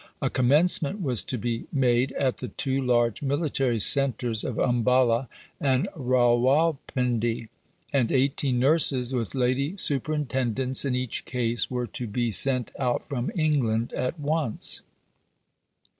A commencement was to be made at the two large military centres of Umballa and Rawalpindi, and 18 nurses, with lady superintendents in each case, were to be sent out from England at once.